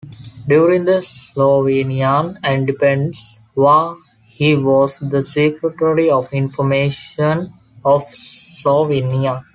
During the Slovenian Independence War he was the Secretary of Information of Slovenia.